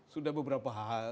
sudah beberapa hari